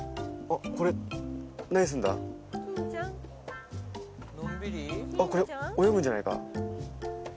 あっこれ泳ぐんじゃないか？